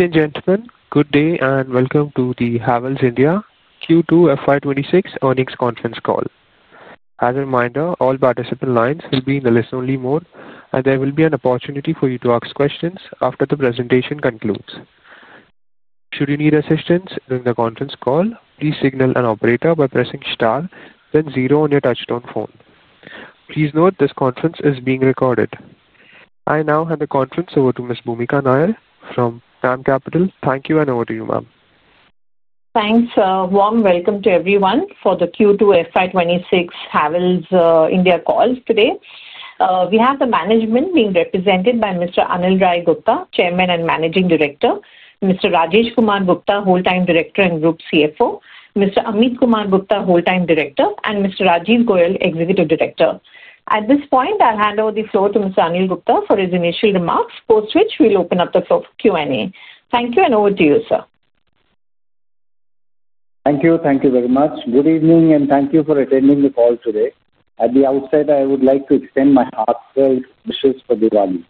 Hey, gentlemen. Good day and welcome to the Havells India Limited Q2 FY 2026 earnings conference call. As a reminder, all participant lines will be in the listen-only mode, and there will be an opportunity for you to ask questions after the presentation concludes. Should you need assistance during the conference call, please signal an operator by pressing star, then zero on your touch-tone phone. Please note this conference is being recorded. I now hand the conference over to Ms. Bhoomika Nair from DAM Capital Advisors Limited. Thank you, and over to you, ma'am. Thanks. A warm welcome to everyone for the Q2 FY 2026 Havells India Limited call today. We have the management being represented by Mr. Anil Rai Gupta, Chairman and Managing Director, Mr. Rajesh Kumar Gupta, Whole-Time Director and Group CFO, Mr. Amit Kumar Gupta, Whole-Time Director, and Mr. Rajiv Goel, Executive Director. At this point, I'll hand over the floor to Mr. Anil Rai Gupta for his initial remarks, post which we'll open up the floor for Q&A. Thank you, and over to you, sir. Thank you. Thank you very much. Good evening, and thank you for attending the call today. At the outset, I would like to extend my heartfelt wishes for Diwali.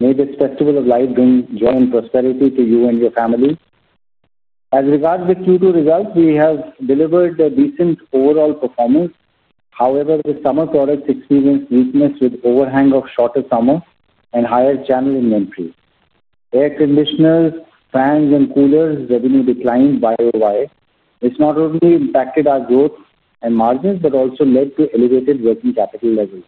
May this festival of light bring joy and prosperity to you and your family. As regards the Q2 results, we have delivered a decent overall performance. However, the summer products experienced weakness with overhang of shorter summers and higher channel inventory. Air conditioners, fans, and coolers revenue declined by a while. This not only impacted our growth and margins, but also led to elevated working capital levels.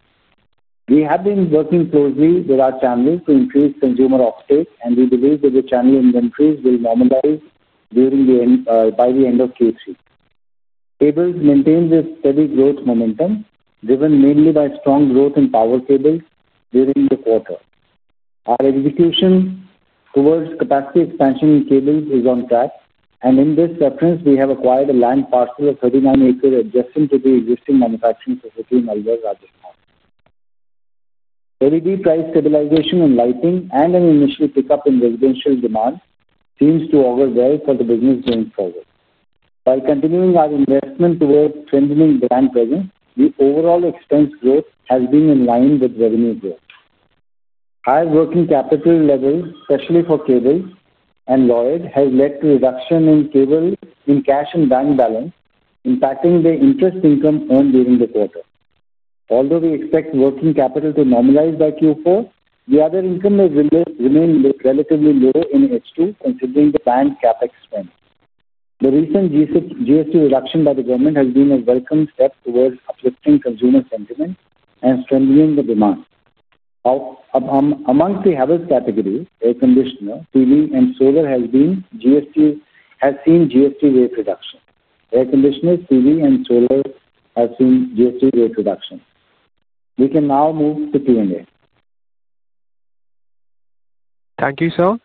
We have been working closely with our channels to increase consumer uptake, and we believe that the channel inventories will normalize by the end of Q3. Cables maintained a steady growth momentum, driven mainly by strong growth in power cables during the quarter. Our execution towards capacity expansion in cables is on track, and in this reference, we have acquired a land parcel of 39 acres adjacent to the existing manufacturing facility in Alwar, Rajasthan. LED price stabilization in lighting and an initial pickup in residential demand seems to augur well for the business going forward. By continuing our investment towards strengthening brand presence, the overall expense growth has been in line with revenue growth. Higher working capital levels, especially for cables and Lloyd, have led to a reduction in cash and bank balance, impacting the interest income earned during the quarter. Although we expect working capital to normalize by Q4, the other income may remain relatively low in H2, considering the bank CapEx spend. The recent GST reduction by the government has been a welcome step towards uplifting consumer sentiment and strengthening the demand. Amongst the Havells category, air conditioners, TVs, and solar have seen GST-based reduction. We can now move to Q&A. Thank you, sir.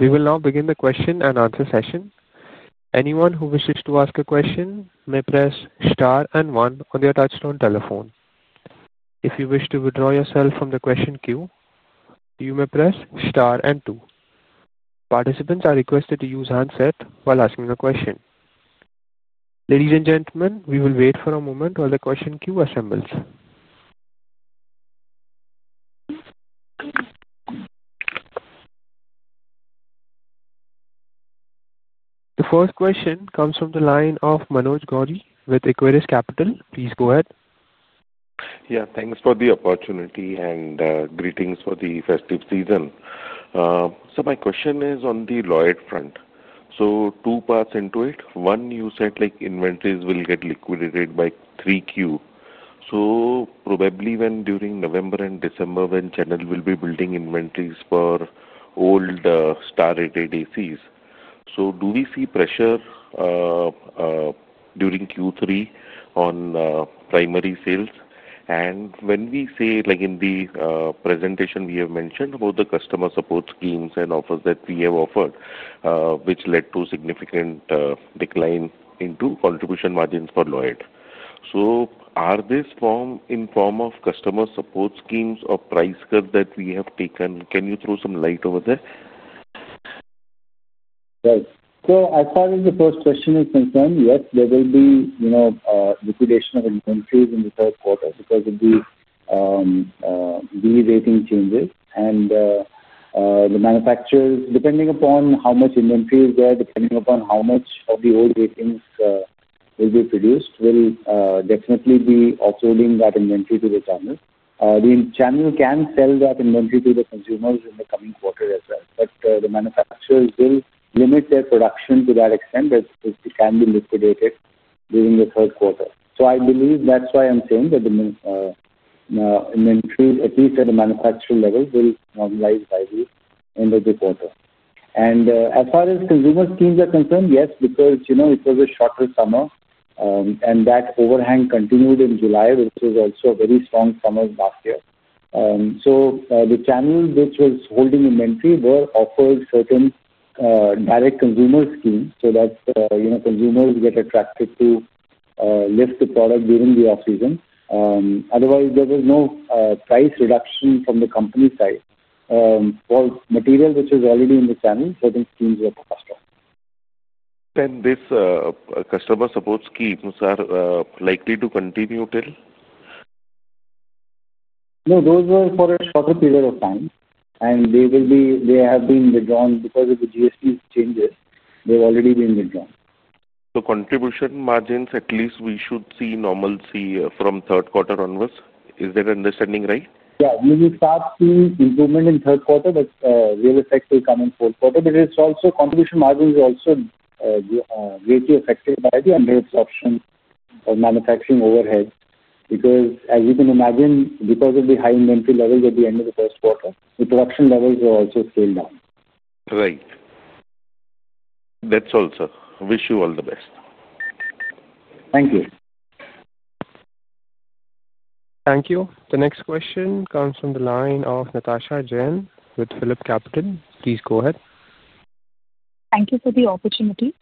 We will now begin the question and answer session. Anyone who wishes to ask a question may press star and one on their touch-tone telephone. If you wish to withdraw yourself from the question queue, you may press star and two. Participants are requested to use handsets while asking a question. Ladies and gentlemen, we will wait for a moment while the question queue assembles. The first question comes from the line of Manoj Gori with Equirus Capital. Please go ahead. Yeah, thanks for the opportunity and greetings for the festive season. My question is on the Lloyd front. Two parts to it. One, you said inventories will get liquidated by Q3. Probably during November and December, when channels will be building inventories for old star-rated air conditioners, do we see pressure during Q3 on primary sales? In the presentation, we have mentioned the customer support schemes and offers that we have offered, which led to a significant decline in contribution margins for Lloyd. Are these in the form of customer support schemes or price cuts that we have taken? Can you throw some light over there? Right. As far as the first question is concerned, yes, there will be liquidation of inventories in the third quarter because of the V rating changes. The manufacturers, depending upon how much inventory is there and how much of the old ratings will be produced, will definitely be offloading that inventory to the channel. The channel can sell that inventory to the consumers in the coming quarter as well. The manufacturers will limit their production to that extent as it can be liquidated during the third quarter. I believe that's why I'm saying that the inventory, at least at the manufacturer level, will normalize by the end of the quarter. As far as consumer schemes are concerned, yes, because it was a shorter summer and that overhang continued in July, which was also a very strong summer last year. The channels which were holding inventory were offered certain direct consumer schemes so that consumers get attracted to lift the product during the off-season. Otherwise, there was no price reduction from the company's side. For material which is already in the channel, certain schemes were passed on. This customer support scheme, sir, likely to continue till? No, those were for a shorter period of time. They have been withdrawn because of the GST changes. They've already been withdrawn. Contribution margins, at least we should see normalcy from third quarter onwards? Is that understanding right? Yeah, we will start seeing improvement in the third quarter, but real effects will come in the fourth quarter. It's also contribution margins also greatly affected by the under-absorption or manufacturing overhead because, as you can imagine, because of the high inventory levels at the end of the first quarter, the production levels will also scale down. Right. That's all, sir. Wish you all the best. Thank you. Thank you. The next question comes from the line of Natasha Jain with PhilipCapital. Please go ahead. Thank you for the opportunity.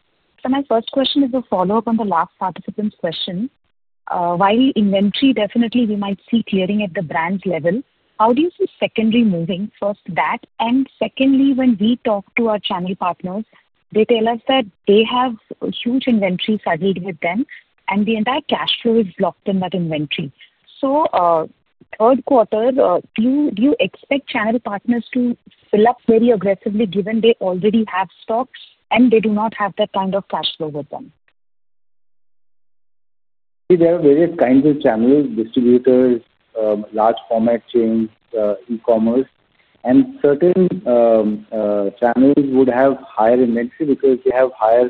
My first question is a follow-up on the last participant's question. While inventory, definitely, we might see clearing at the brand level, how do you see secondary moving? First that, and secondly, when we talk to our channel partners, they tell us that they have huge inventory saddled with them, and the entire cash flow is blocked in that inventory. Third quarter, do you expect channel partners to fill up very aggressively given they already have stocks and they do not have that kind of cash flow with them? See, there are various kinds of channels: distributors, large format chains, e-commerce, and certain channels would have higher inventory because they have higher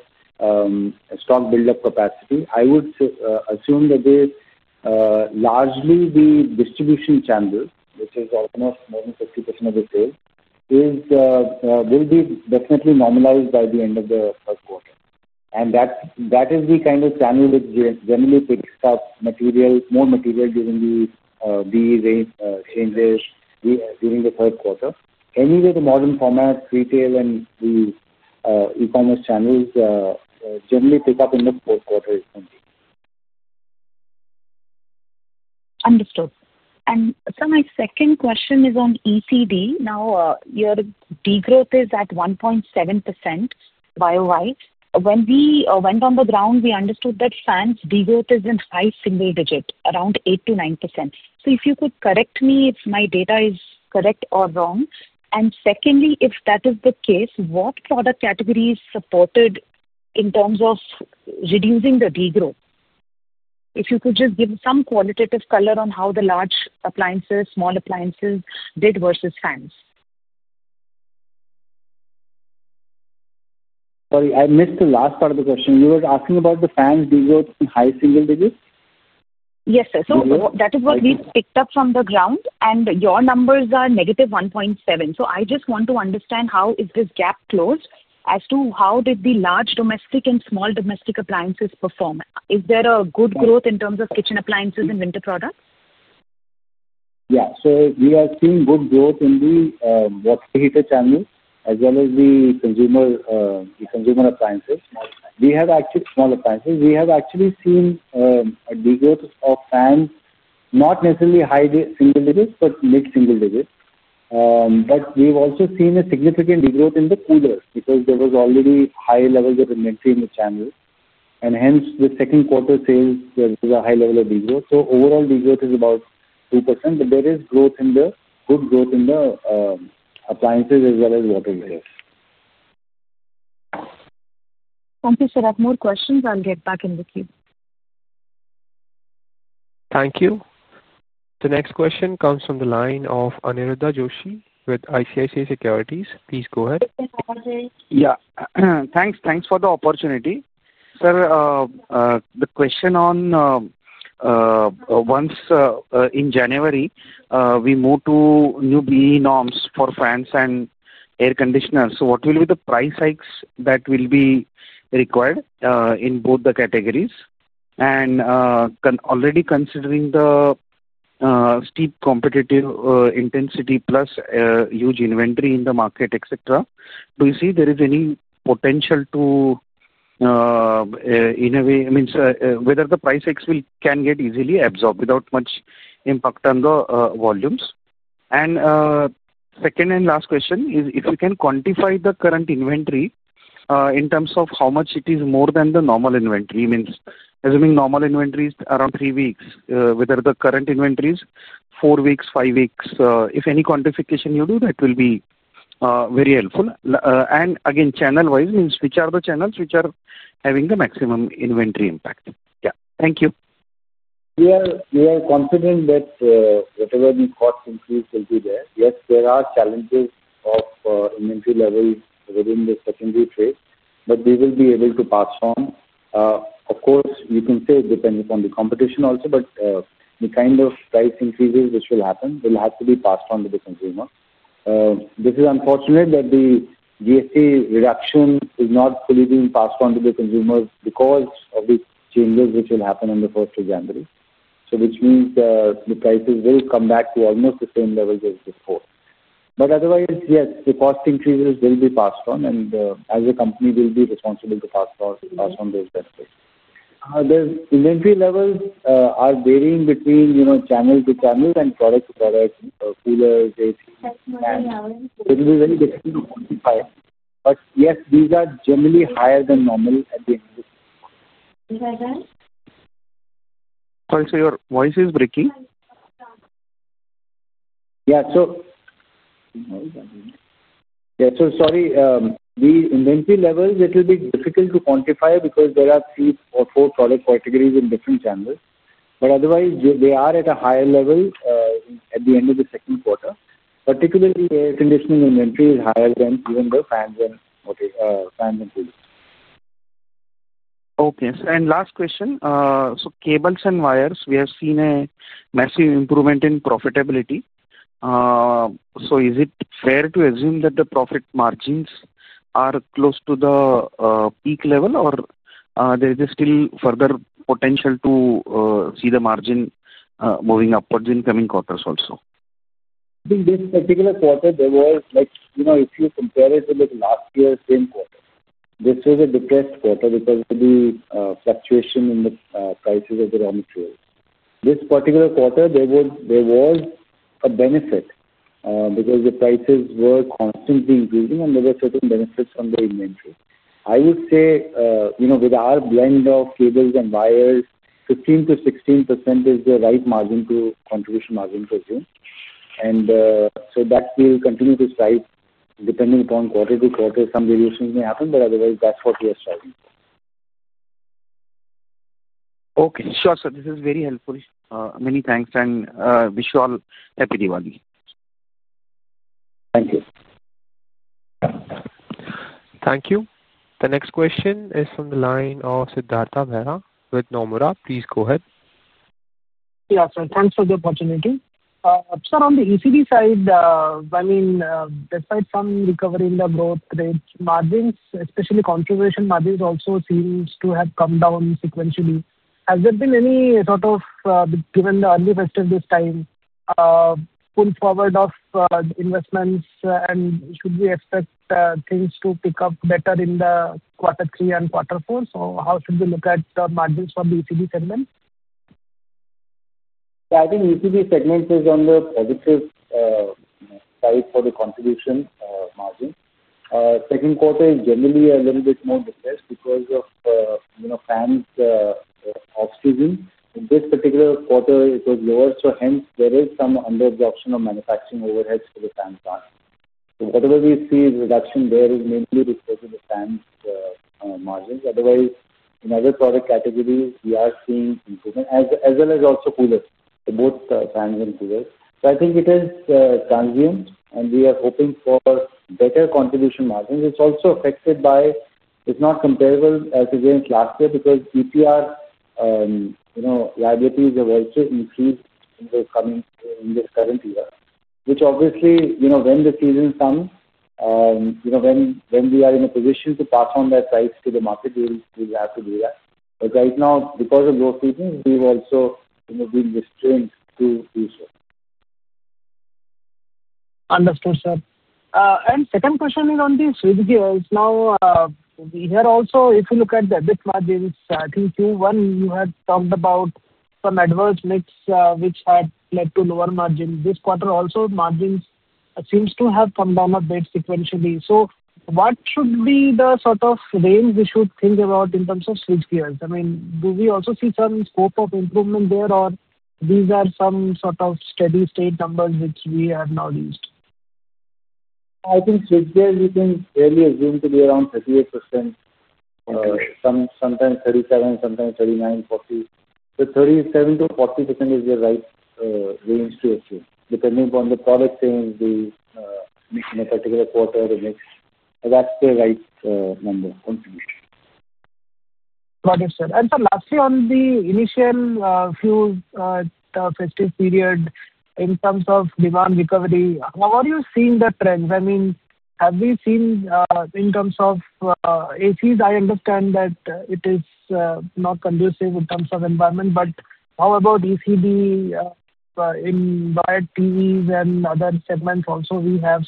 stock build-up capacity. I would assume that largely the distribution channel, which is almost more than 50% of the sales, will be definitely normalized by the end of the third quarter. That is the kind of channel which generally picks up more material during the V range changes during the third quarter. Anyway, the modern format retail and the e-commerce channels generally pick up in the fourth quarter only. Understood. My second question is on ECD. Your degrowth is at 1.7% worldwide. When we went on the ground, we understood that fans' degrowth is in high single digits, around 8%-9%. If you could correct me if my data is correct or wrong. If that is the case, what product categories supported in terms of reducing the degrowth? If you could just give some qualitative color on how the large appliances, small appliances did versus fans. Sorry, I missed the last part of the question. You were asking about the fans' degrowth in high single digits? Yes, sir. That is what we picked up from the ground. Your numbers are -1.7%. I just want to understand how is this gap closed as to how did the large domestic and small domestic appliances perform? Is there a good growth in terms of kitchen appliances and winter products? Yeah. We are seeing good growth in the water heater channels as well as the consumer appliances. We have actually small appliances. We have actually seen a degrowth of fans, not necessarily high single digits, but mid-single digits. We've also seen a significant degrowth in the coolers because there was already high levels of inventory in the channels. Hence, the second quarter sales, there was a high level of degrowth. Overall, degrowth is about 2%. There is growth in the good growth in the appliances as well as water heaters. Thank you. Should I have more questions, I'll get back in with you. Thank you. The next question comes from the line of Aniruddha Joshi with ICICI Securities. Please go ahead. Yeah. Thanks. Thanks for the opportunity. Sir, the question on once in January, we move to new BEE norms for fans and air conditioners. What will be the price hikes that will be required in both the categories? Already considering the steep competitive intensity plus huge inventory in the market, etc., do you see there is any potential to innovate? I mean, whether the price hikes can get easily absorbed without much impact on the volumes? Second and last question is if you can quantify the current inventory in terms of how much it is more than the normal inventory. I mean, assuming normal inventory is around three weeks, whether the current inventory is four weeks, five weeks, if any quantification you do, that will be very helpful. Again, channel-wise, which are the channels which are having the maximum inventory impact? Thank you. We are confident that whatever the cost increase will be there. Yes, there are challenges of inventory levels within the secondary trade, but we will be able to pass on. Of course, you can say it depends upon the competition also, but the kind of price increases which will happen will have to be passed on to the consumer. It is unfortunate that the GST reduction is not fully being passed on to the consumers because of the changes which will happen on January 1. This means the prices will come back to almost the same levels as before. Otherwise, yes, the cost increases will be passed on, and as a company, we'll be responsible to pass on those benefits. The inventory levels are varying between channel to channel and product to product, coolers, air conditioners, fans. It will be very difficult to quantify. Yes, these are generally higher than normal at the end of the quarter. Sorry, sir. Your voice is breaking. Yeah. The inventory levels, it will be difficult to quantify because there are three or four product categories in different channels. Otherwise, they are at a higher level at the end of the second quarter. Particularly, air conditioning inventory is higher than even the fans and coolers. Okay. Last question. Cables and wires, we have seen a massive improvement in profitability. Is it fair to assume that the profit margins are close to the peak level, or there is still further potential to see the margin moving upwards in coming quarters also? I think this particular quarter, there was, like, you know, if you compare it to last year's same quarter, this was a depressed quarter because of the fluctuation in the prices of the raw materials. This particular quarter, there was a benefit because the prices were constantly increasing, and there were certain benefits on the inventory. I would say, you know, with our blend of cables and wires, 15%-16% is the right contribution margin to assume. That will continue to spike depending upon quarter to quarter. Some variations may happen, but otherwise, that's what we are striving for. Okay, sure. This is very helpful. Many thanks, and wish you all a happy Diwali. Thank you. Thank you. The next question is from the line of Siddhartha Bera with Nomura. Please go ahead. Yeah. Thanks for the opportunity. Sir, on the ECD side, I mean, despite some recovery in the growth rates, margins, especially contribution margins, also seem to have come down sequentially. Has there been any sort of, given the early festive this time, pull forward of investments, and should we expect things to pick up better in quarter three and quarter four? How should we look at the margins from the ECD segment? Yeah, I think ECD segment is on the positive side for the contribution margin. Second quarter is generally a little bit more depressed because of fans' off-season. In this particular quarter, it was lower, so there is some under-absorption of manufacturing overheads for the fans' margins. Whatever we see as a reduction there is mainly because of the fans' margins. Otherwise, in other product categories, we are seeing improvement as well as also coolers, both fans and coolers. I think it is transient, and we are hoping for better contribution margins. It's also affected by it's not comparable as it was last year because EPR, you know, liabilities have also increased in the coming in this current year, which obviously, you know, when the season comes, you know, when we are in a position to pass on that price to the market, we'll have to do that. Right now, because of those reasons, we've also been restrained to do so. Understood, sir. Second question is on the switchgear. Now, we hear also, if you look at the margins Q1, you had talked about some adverse mix which had led to lower margins. This quarter also, margins seem to have come down a bit sequentially. What should be the sort of range we should think about in terms of switchgear? I mean, do we also see some scope of improvement there, or these are some sort of steady state numbers which we have now reached? I think switchgears, we can barely assume to be around 38%, sometimes 37%, sometimes 39%, 40%. So 37%-40% is the right range to assume, depending upon the product change in a particular quarter or mix. That's the right number. Got it, sir. Lastly, on the initial few festive period in terms of demand recovery, how are you seeing the trends? I mean, have we seen in terms of air conditioners? I understand that it is not conducive in terms of environment, but how about ECD in wires, PEs, and other segments also we have?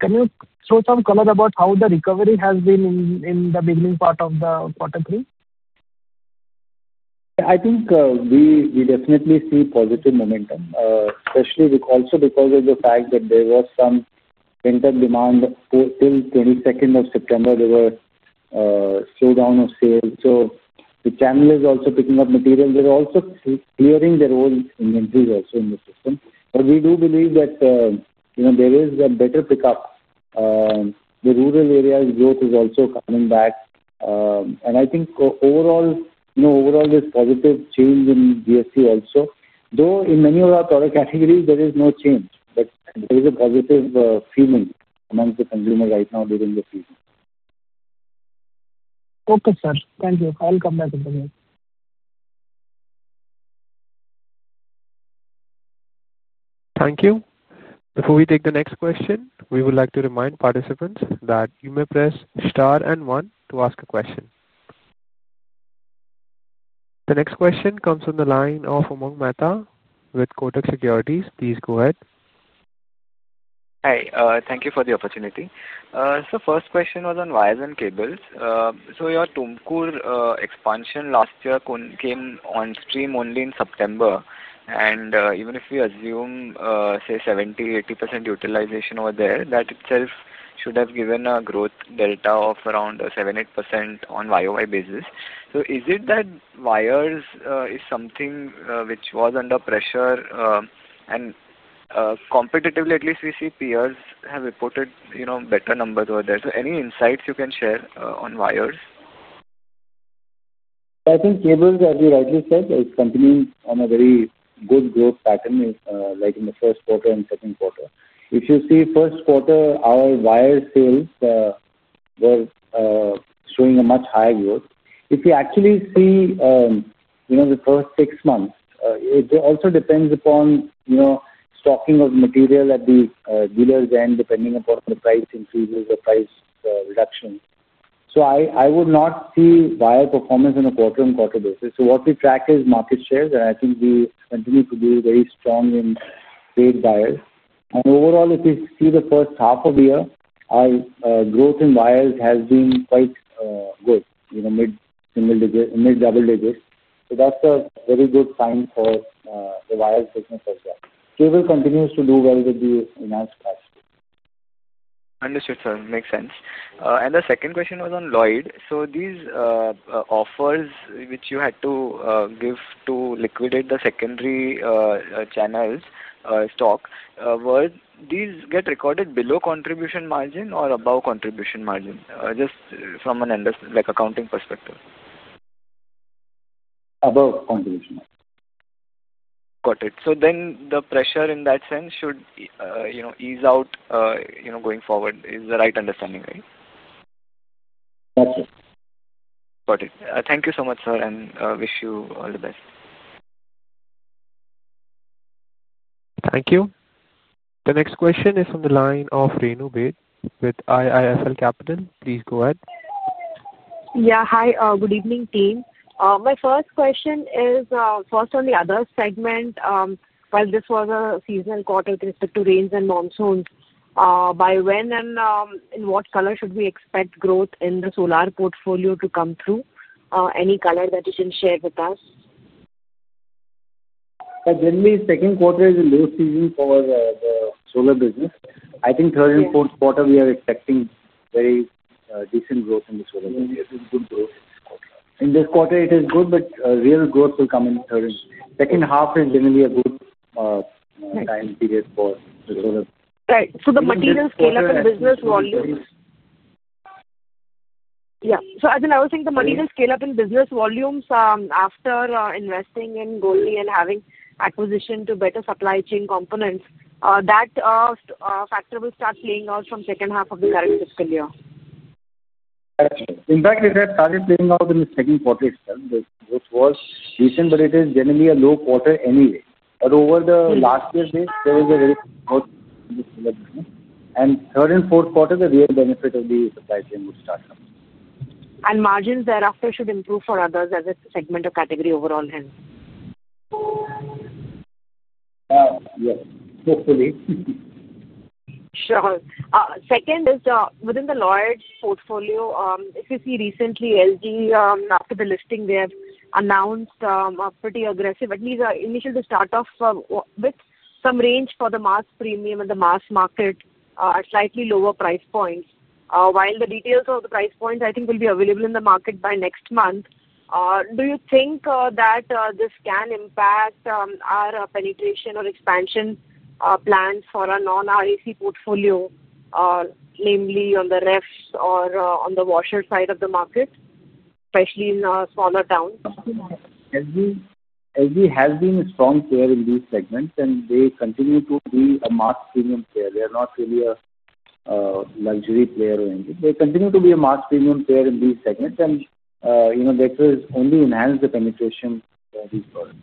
Can you throw some color about how the recovery has been in the beginning part of the quarter three? Yeah, I think we definitely see positive momentum, especially also because of the fact that there was some pent-up demand till 22nd of September. There was a slowdown of sales. The channel is also picking up material. They're also clearing their own inventories in the system. We do believe that, you know, there is a better pickup. The rural area growth is also coming back. I think overall, you know, this positive change in GST also, though in many of our product categories, there is no change. There is a positive feeling amongst the consumer right now during the season. Okay, sir. Thank you. I'll come back in a minute. Thank you. Before we take the next question, we would like to remind participants that you may press star and one to ask a question. The next question comes from the line of Umang Mehta with Kotak Securities. Please go ahead. Hi. Thank you for the opportunity. First question was on wires and cables. Your Tumkur expansion last year came on stream only in September. Even if we assume, say, 70%-80% utilization over there, that itself should have given a growth delta of around 7%-8% on a YoY basis. Is it that wires is something which was under pressure? Competitively, at least we see peers have reported better numbers over there. Any insights you can share on wires? I think cables, as you rightly said, is continuing on a very good growth pattern right in the first quarter and second quarter. If you see first quarter, our wire sales were showing a much higher growth. If you actually see the first six months, it also depends upon stocking of material at the dealer's end, depending upon the price increases or price reductions. I would not see wire performance on a quarter-on-quarter basis. What we track is market shares, and I think we continue to be very strong in trade wires. Overall, if you see the first half of the year, our growth in wires has been quite good, you know, mid-single digits, mid-double digits. That's a very good sign for the wires business as well. Cable continues to do well with the enhanced prices. Understood, sir. Makes sense. The second question was on Lloyd. These offers which you had to give to liquidate the secondary channels stock, were these get recorded below contribution margin or above contribution margin? Just from an accounting perspective. Above contribution margin. Got it. The pressure in that sense should ease out going forward, is the right understanding, right? That's right. Got it. Thank you so much, sir, and wish you all the best. Thank you. The next question is from the line of Renu Baid with IIFL Capital. Please go ahead. Yeah. Hi. Good evening, team. My first question is on the other segment. This was a seasonal quarter with respect to rains and monsoons. By when and in what color should we expect growth in the solar portfolio to come through? Any color that you can share with us? Generally, second quarter is a low season for the solar business. I think third and fourth quarter, we are expecting very decent growth in the solar business. It is good growth in this quarter. In this quarter, it is good, but real growth will come in third and fourth. Second half is generally a good time period for the solar. Right. The material scale-up in business volumes, as I was saying, the material scale-up in business volumes after investing in Goldi Solar Private Limited and having acquisition to better supply chain components, that factor will start playing out from the second half of the current fiscal year. Excellent. In fact, it had started playing out in the second quarter itself. The growth was decent, but it is generally a low quarter anyway. Over the last year's base, there was a very good growth in the solar business. In the third and fourth quarter, the real benefit of the supply chain would start coming in. Margins thereafter should improve for others as a segment or category overall. Yes, hopefully. Sure. Second is within the Lloyd portfolio, if you see recently LG after the listing, they have announced a pretty aggressive, at least initially, the start with some range for the mass premium and the mass market at slightly lower price points. While the details of the price points, I think, will be available in the market by next month, do you think that this can impact our penetration or expansion plans for our non-RAC portfolio, namely on the refrigerators or on the washing machine side of the market, especially in smaller towns? Lloyd has been a strong player in these segments, and they continue to be a mass premium player. They are not really a luxury player or anything. They continue to be a mass premium player in these segments, and you know that has only enhanced the penetration of these products.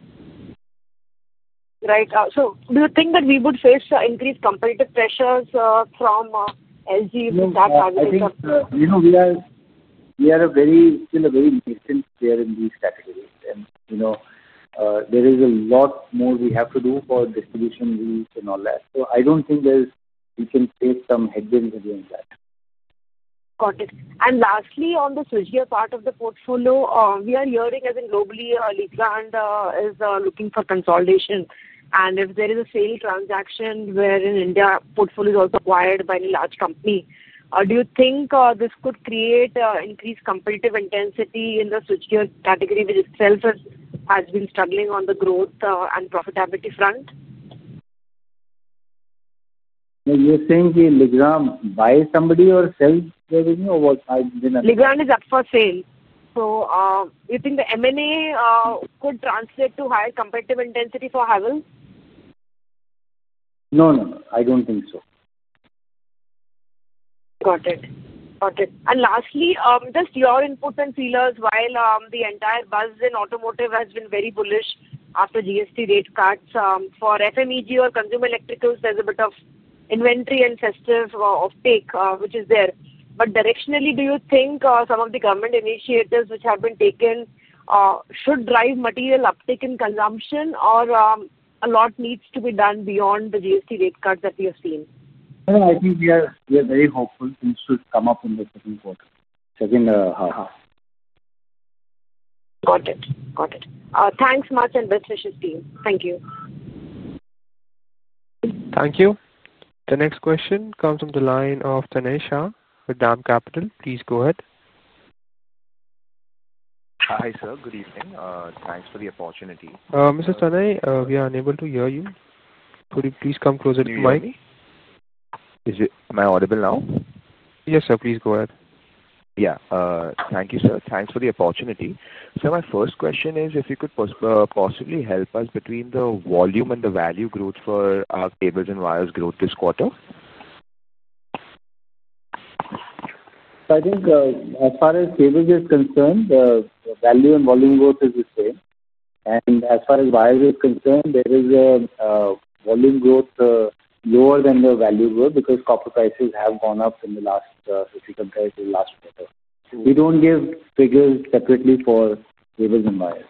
Right. Do you think that we would face increased competitive pressures from LG with that targeted service? We are still a very nascent player in these categories, and you know there is a lot more we have to do for distribution leads and all that. I don't think we can face some headwinds against that. Got it. Lastly, on the Lloyd part of the portfolio, we are hearing globally that is looking for consolidation. If there is a sale transaction wherein the India portfolio is also acquired by any large company, do you think this could create increased competitive intensity in the Lloyd category, which itself has been struggling on the growth and profitability front? You're saying buys somebody or sells revenue, or what? is up for sale. Do you think the M&A could translate to higher competitive intensity for Havells? No, I don't think so. Got it. Lastly, just your input and feelers while the entire buzz in automotive has been very bullish after GST rate cuts. For FMEG or Consumer Electricals, there's a bit of inventory and festive uptake, which is there. Directionally, do you think some of the government initiatives which have been taken should drive material uptake in consumption, or a lot needs to be done beyond the GST rate cuts that we have seen? I think we are very hopeful. Things should come up in the second quarter, second half. Got it. Got it. Thanks much and best wishes, team. Thank you. Thank you. The next question comes from the line of Tanay Shah with DAM Capital. Please go ahead. Hi, sir. Good evening. Thanks for the opportunity. Mr. Tanay, we are unable to hear you. Could you please come closer to me? Am I audible now? Yes, sir. Please go ahead. Thank you, sir. Thanks for the opportunity. My first question is if you could possibly help us between the volume and the value growth for our cables and wires growth this quarter? I think as far as cables is concerned, the value and volume growth is the same. As far as wires is concerned, there is a volume growth lower than the value growth because copper prices have gone up if you compare it to the last quarter. We don't give figures separately for cables and wires.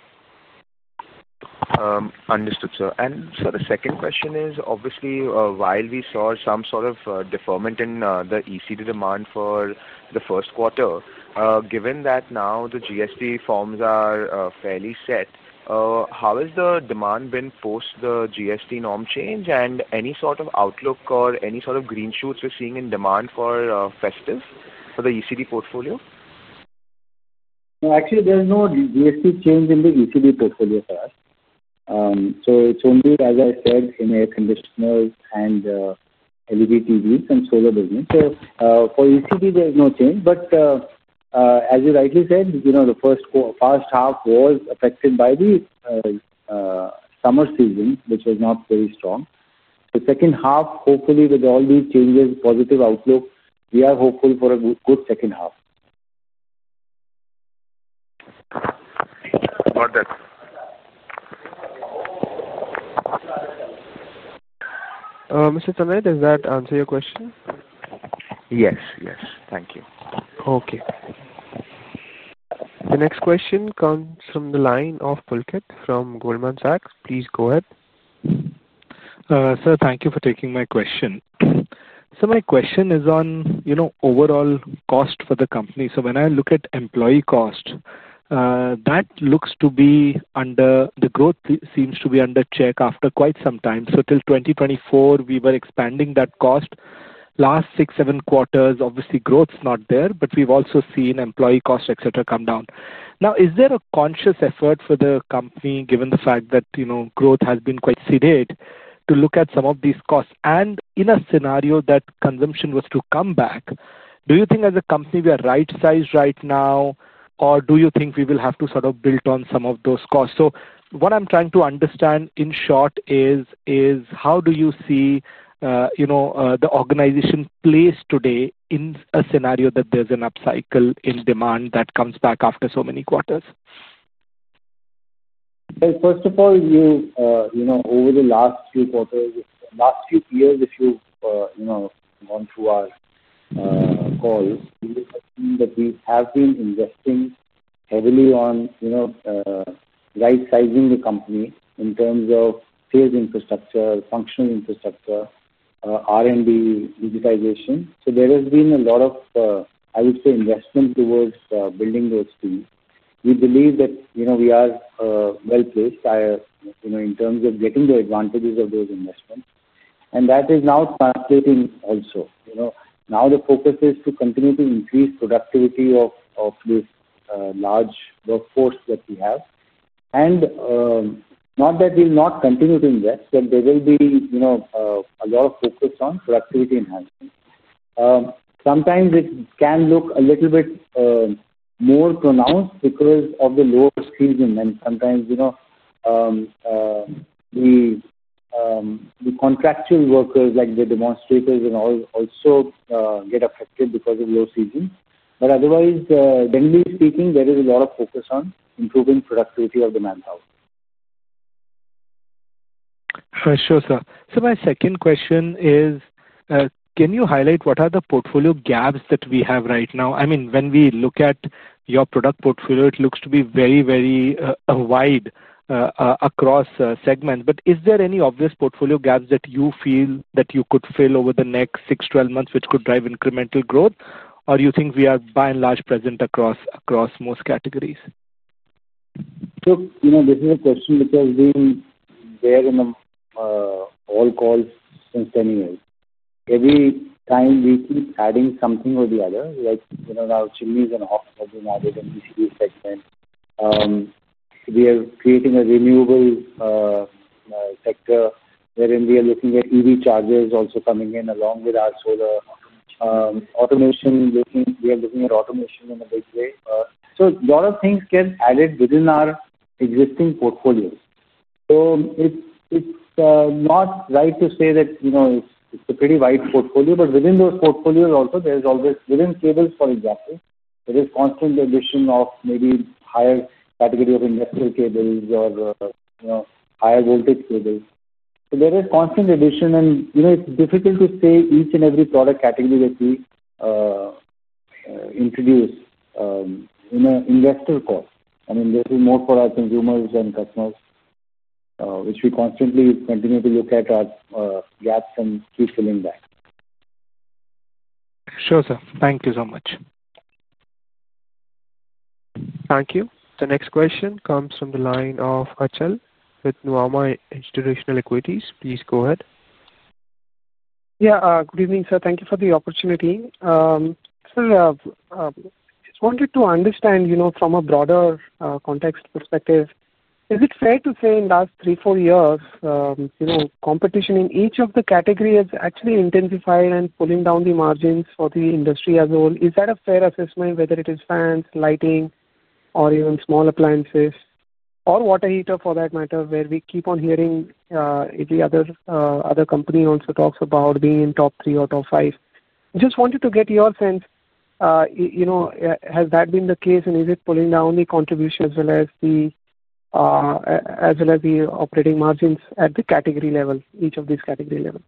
Understood, sir. The second question is, obviously, while we saw some sort of deferment in the ECD demand for the first quarter, given that now the GST norms are fairly set, how has the demand been post the GST norm change, and any sort of outlook or any sort of green shoots we're seeing in demand for festive for the ECD portfolio? Actually, there's no GST change in the ECD portfolio for us. It's only, as I said, in air conditioners and LED TVs and solar business. For ECD, there's no change. As you rightly said, the first half was affected by the summer season, which was not very strong. The second half, hopefully, with all these changes, positive outlook, we are hopeful for a good second half. Got it. Mr. Tanay, does that answer your question? Yes, yes. Thank you. Okay. The next question comes from the line of Pulkit from Goldman Sachs. Please go ahead. Sir, thank you for taking my question. My question is on, you know, overall cost for the company. When I look at employee cost, that looks to be under the growth seems to be under check after quite some time. Till 2024, we were expanding that cost. Last six, seven quarters, obviously, growth is not there, but we've also seen employee cost, etc., come down. Now, is there a conscious effort for the company, given the fact that, you know, growth has been quite sedate, to look at some of these costs? In a scenario that consumption was to come back, do you think as a company we are right-sized right now, or do you think we will have to sort of build on some of those costs? What I'm trying to understand in short is, is how do you see, you know, the organization placed today in a scenario that there's an upcycle in demand that comes back after so many quarters? First of all, over the last few quarters, last few years, if you've gone through our calls, you will have seen that we have been investing heavily on right-sizing the company in terms of sales infrastructure, functional infrastructure, R&D, digitization. There has been a lot of, I would say, investment towards building those teams. We believe that we are well placed in terms of getting the advantages of those investments. That is now translating also. Now the focus is to continue to increase productivity of this large workforce that we have. Not that we'll not continue to invest, but there will be a lot of focus on productivity enhancement. Sometimes it can look a little bit more pronounced because of the lower season. Sometimes the contractual workers, like the demonstrators and all, also get affected because of low season. Otherwise, generally speaking, there is a lot of focus on improving productivity of the manpower for sure. Sure, sir. My second question is, can you highlight what are the portfolio gaps that we have right now? I mean, when we look at your product portfolio, it looks to be very, very wide across segments. Is there any obvious portfolio gaps that you feel that you could fill over the next 6, 12 months, which could drive incremental growth? Do you think we are, by and large, present across most categories? This is a question which has been there in all calls since 10 years. Every time, we keep adding something or the other. Like, now chimneys and hobs have been added in the ECD segment. We are creating a renewable sector wherein we are looking at EV chargers also coming in along with our solar automation. We are looking at automation in a big way. A lot of things get added within our existing portfolio. It's not right to say that it's a pretty wide portfolio, but within those portfolios also, there's always, within cables, for example, constant addition of maybe higher category of industrial cables or higher voltage cables. There is constant addition, and it's difficult to say each and every product category that we introduce in an investor call. This is more for our consumers and customers, which we constantly continue to look at our gaps and keep filling that. Sure, sir. Thank you so much. Thank you. The next question comes from the line of Achal with Nuvama Institutional Equities. Please go ahead. Good evening, sir. Thank you for the opportunity. Sir, I just wanted to understand, from a broader context perspective, is it fair to say in the last three, four years, competition in each of the categories is actually intensifying and pulling down the margins for the industry as a whole? Is that a fair assessment whether it is fans, lighting, or even small appliances, or water heater, for that matter, where we keep on hearing every other company also talks about being in top three or top five? Just wanted to get your sense. Has that been the case, and is it pulling down the contribution as well as the operating margins at the category level, each of these category levels?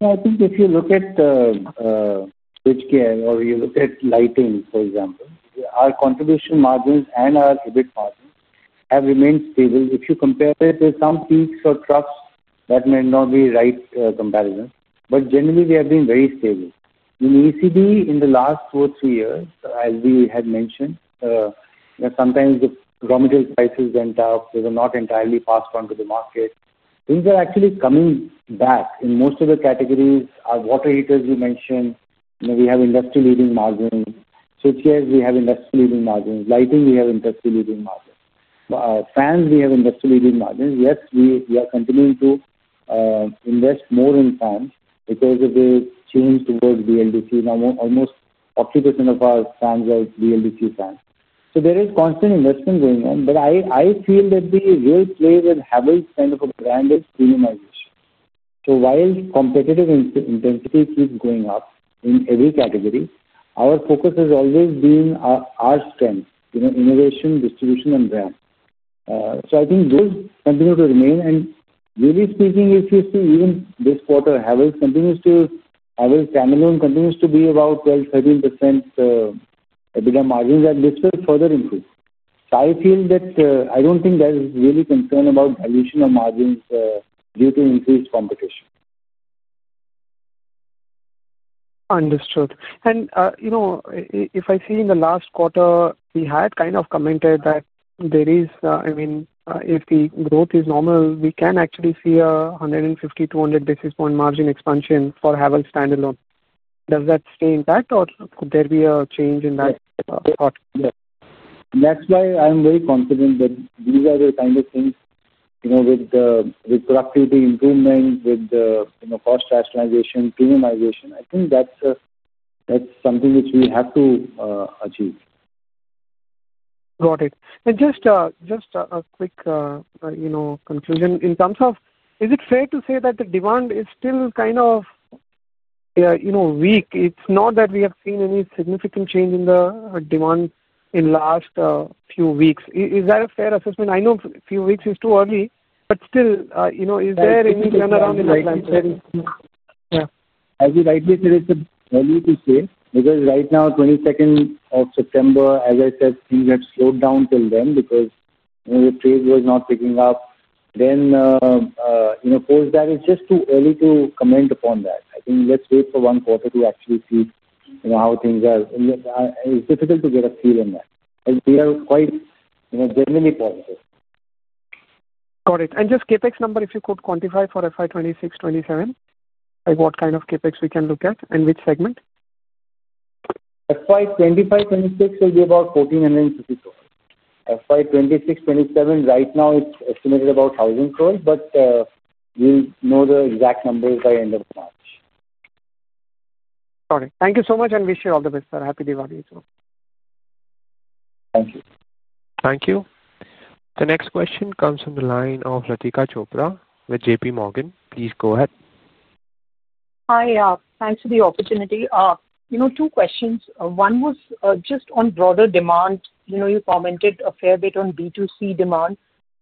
Yeah, I think if you look at the switchgear or you look at lighting, for example, our contribution margins and our EBIT margins have remained stable. If you compare it to some peaks or troughs, that may not be a right comparison, but generally, they have been very stable. In ECD, in the last two or three years, as we had mentioned, sometimes the raw material prices went up. They were not entirely passed on to the market. Things are actually coming back. In most of the categories, our water heaters we mentioned, we have industry-leading margins. Switchgear, we have industry-leading margins. Lighting, we have industry-leading margins. Fans, we have industry-leading margins. Yes, we are continuing to invest more in fans because of the change towards BLDC. Now, almost 40% of our fans are BLDC fans. There is constant investment going on, but I feel that the real play with Havells is kind of a branded premiumization. While competitive intensity keeps going up in every category, our focus has always been our strength, you know, innovation, distribution, and brand. I think those continue to remain. Really speaking, if you see even this quarter, Havells continues to, Havells standalone continues to be about 12%, 13% EBITDA margins that this will further improve. I feel that I don't think there's really concern about dilution of margins due to increased competition. Understood. If I see in the last quarter, we had kind of commented that there is, I mean, if the growth is normal, we can actually see a 150, 200 basis point margin expansion for Havells standalone. Does that stay intact, or could there be a change in that part? Yes, that's why I'm very confident that these are the kind of things, you know, with the productivity improvement, with the, you know, cost rationalization, premiumization. I think that's something which we have to achieve. Got it. Just a quick conclusion. In terms of, is it fair to say that the demand is still kind of, yeah, you know, weak? It's not that we have seen any significant change in the demand in the last few weeks. Is that a fair assessment? I know a few weeks is too early, but still, you know, is there any turnaround in the plan? Yeah. As you rightly said, it's early to say because right now, 22nd of September, as I said, things have slowed down till then because the trade was not picking up. You know, post that, it's just too early to comment upon that. I think let's wait for one quarter to actually see how things are. It's difficult to get a feel on that. We are quite, you know, generally positive. Got it. Just the CapEx number, if you could quantify for FY 2026-2027, what kind of CapEx we can look at and which segment? FY 2025-2026 will be about 1,450 crore. FY 2026-2027 right now, it's estimated about 1,000 crore, but we'll know the exact numbers by the end of March. Got it. Thank you so much, and wish you all the best, sir. Happy Diwali as well. Thank you. Thank you. The next question comes from the line of Latika Chopra with JPMorgan. Please go ahead. Hi. Thanks for the opportunity. Two questions. One was just on broader demand. You commented a fair bit on B2C demand,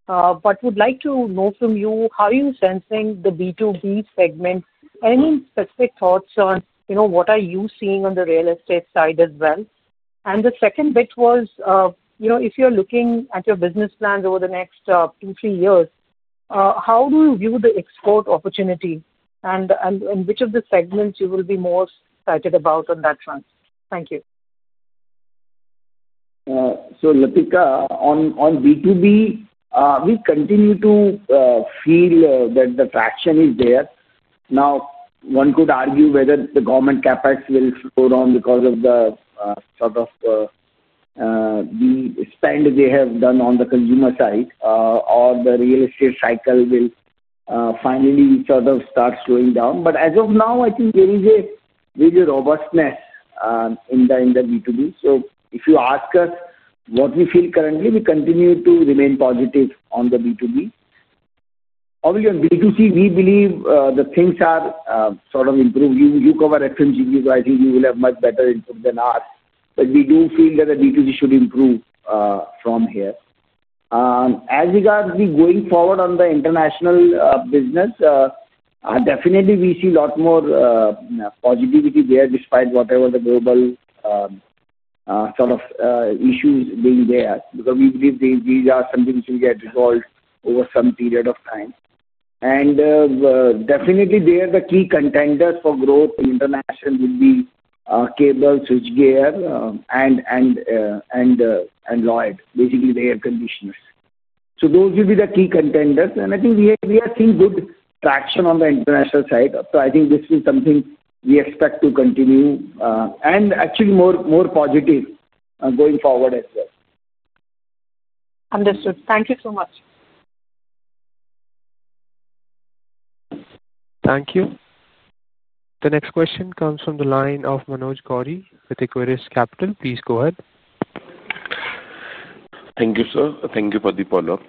but would like to know from you, how are you sensing the B2B segment? Any specific thoughts on what are you seeing on the real estate side as well? The second bit was, if you're looking at your business plans over the next 2-3 years, how do you view the export opportunity and which of the segments you will be most excited about on that front? Thank you. Latika, on B2B, we continue to feel that the traction is there. One could argue whether the government CapEx will slow down because of the sort of the spend they have done on the consumer side or the real estate cycle will finally start slowing down. As of now, I think there is a robustness in the B2B. If you ask us what we feel currently, we continue to remain positive on the B2B. Probably on B2C, we believe that things are sort of improving. You cover FMCG, so I think you will have much better input than us. We do feel that the B2C should improve from here. As regards to going forward on the international business, definitely, we see a lot more positivity there despite whatever the global sort of issues being there because we believe these are something which will get resolved over some period of time. They are the key contenders for growth. The international would be cables, switchgear, and Lloyd, basically the air conditioners. Those will be the key contenders. I think we are seeing good traction on the international side. I think this is something we expect to continue and actually more positive going forward as well. Understood. Thank you so much. Thank you. The next question comes from the line of Manoj Gori with Equirus Capital. Please go ahead. Thank you, sir. Thank you for the follow-up.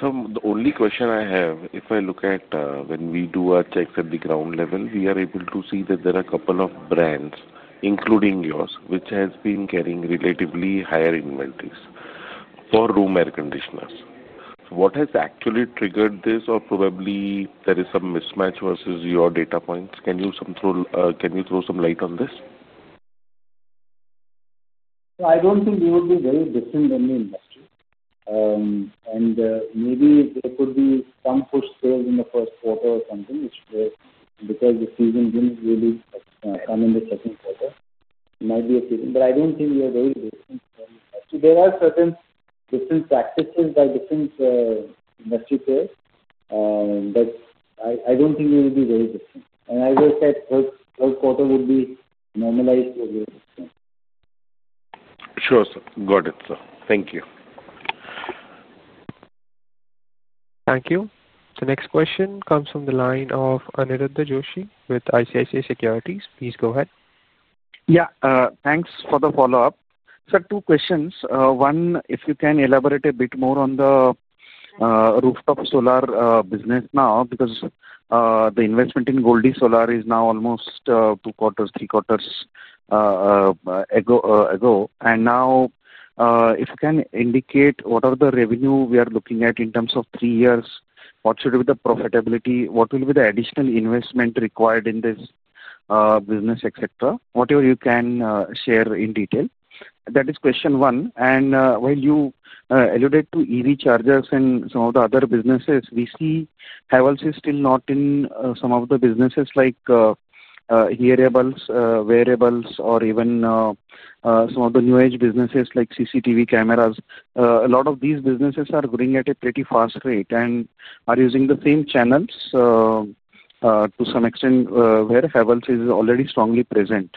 Sir, the only question I have, if I look at when we do our checks at the ground level, we are able to see that there are a couple of brands, including yours, which have been carrying relatively higher inventories for room air conditioners. What has actually triggered this? Or probably there is some mismatch versus your data points. Can you throw some light on this? I don't think we would be very different than the industry. Maybe there could be some push sales in the first quarter or something, which, because the season didn't really come in the second quarter, it might be a season. I don't think we are very different from the industry. There are certain different practices by different industry players. I don't think we will be very different. As I said, the third quarter would be normalized to a very different. Sure, sir. Got it, sir. Thank you. Thank you. The next question comes from the line of Aniruddha Joshi with ICICI Securities. Please go ahead. Yeah. Thanks for the follow-up. Sir, two questions. One, if you can elaborate a bit more on the rooftop solar business now because the investment in Goldi Solar Private Limited is now almost two quarters, three quarters ago. If you can indicate what are the revenue we are looking at in terms of three years, what should be the profitability, what will be the additional investment required in this business, etc.? Whatever you can share in detail, that is question one. While you alluded to EV chargers and some of the other businesses, we see Havells is still not in some of the businesses like heat variables, wearables, or even some of the new age businesses like CCTV cameras. A lot of these businesses are growing at a pretty fast rate and are using the same channels to some extent where Havells India Limited is already strongly present.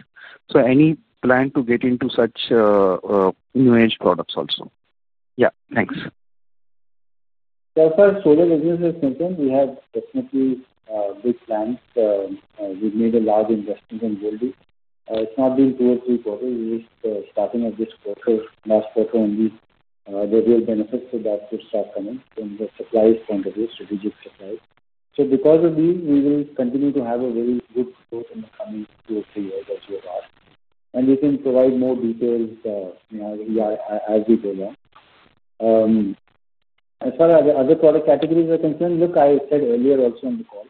Any plan to get into such new age products also? Yeah, thanks. Yeah, sir, solar business is different. We have definitely big plans. We've made a large investment in Goldi. It's not been two or three quarters. We're just starting at this quarter, last quarter only, the real benefits of that would start coming from the supply point of view, strategic supply. Because of these, we will continue to have a very good growth in the coming two or three years, as you have asked. We can provide more details as we go along. As far as the other product categories are concerned, look, I said earlier also on the call,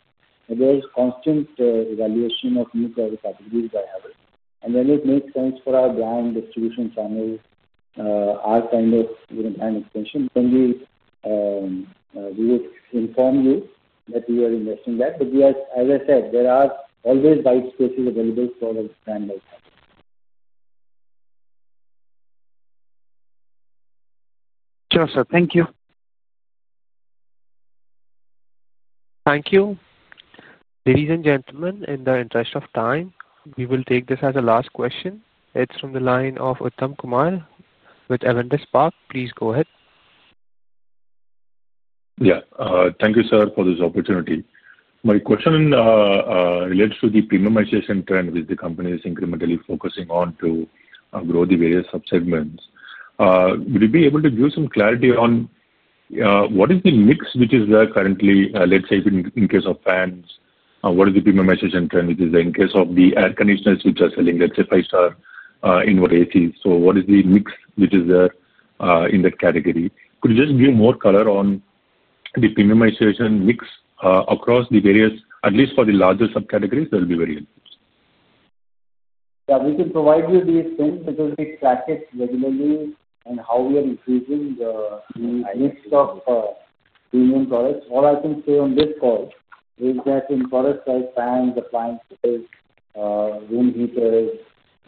there is constant evaluation of new product categories by Havells. When it makes sense for our brand distribution channels, our kind of, you know, brand extension, then we would inform you that we are investing that. As I said, there are always white spaces available for a brand like Havells. Sure, sir. Thank you. Thank you. Ladies and gentlemen, in the interest of time, we will take this as the last question. It's from the line of Uttham Kumar with Avendus Spark. Please go ahead. Thank you, sir, for this opportunity. My question relates to the premiumization trend, which the company is incrementally focusing on to grow the various subsegments. Would you be able to give some clarity on what is the mix which is there currently? Let's say, if in case of fans, what is the premiumization trend which is there? In case of the air conditioners which are selling, let's say, five-star inverter ACs, what is the mix which is there in that category? Could you just give more color on the premiumization mix across the various, at least for the larger subcategories, there will be variations? Yeah, we can provide you the extent because we track it regularly and how we are increasing the mix of premium products. All I can say on this call is that in products like fans, appliances, room heaters,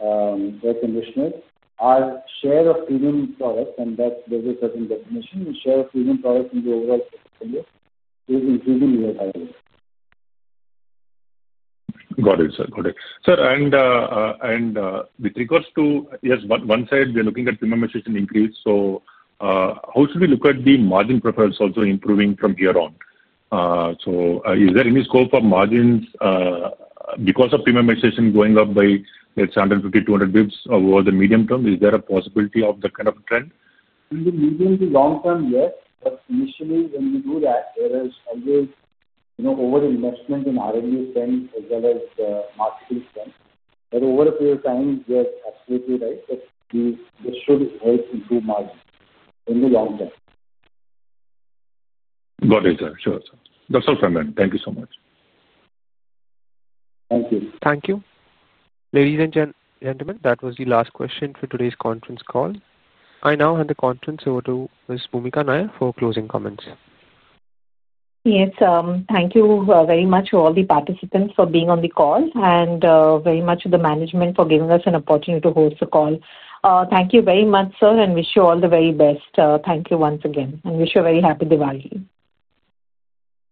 air conditioners, our share of premium products, and that there's a certain definition, the share of premium products in the overall subsegment is increasing year by year. Got it, sir. Got it. Sir, with regards to, yes, one side, we are looking at premiumization increase. How should we look at the margin profiles also improving from here on? Is there any scope for margins because of premiumization going up by, let's say, 150, 200 basis points over the medium term? Is there a possibility of that kind of a trend? In the medium to long term, yes. Initially, when we do that, there is always over-investment in R&D spend as well as marketing spend. Over a period of time, yes, absolutely right. This should help improve margins in the long term. Got it, sir. Sure, sir. That's all from me. Thank you so much. Thank you. Thank you. Ladies and gentlemen, that was the last question for today's conference call. I now hand the conference over to Ms. Bhoomika Nair for closing comments. Yes. Thank you very much to all the participants for being on the call and very much to the management for giving us an opportunity to host the call. Thank you very much, sir, and wish you all the very best. Thank you once again and wish you a very happy Diwali.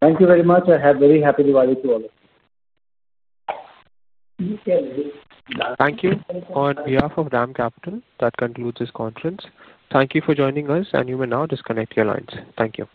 Thank you very much. A very happy Diwali to all of you. Thank you. On behalf of DAM Capital, that concludes this conference. Thank you for joining us, and you may now disconnect your lines. Thank you.